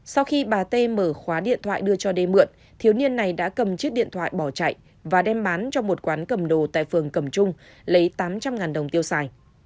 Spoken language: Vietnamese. sau khi bà t mở khóa điện thoại đưa cho d mượn thiếu niên này đã cầm chiếc điện thoại bỏ chạy và đem bán cho một quán cầm đồ tại phường cầm trung lấy tám trăm linh đồng tiêu xài